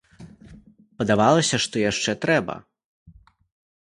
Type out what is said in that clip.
Падавалася, што яшчэ трэба?